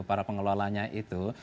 para pengelolanya itu